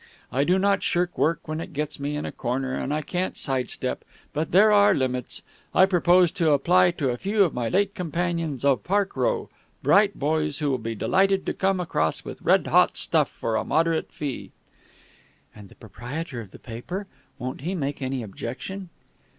I do not shirk work when it gets me in a corner and I can't side step, but there are limits. I propose to apply to a few of my late companions of Park Row, bright boys who will be delighted to come across with red hot stuff for a moderate fee." "And the proprietor of the paper? Won't he make any objection?"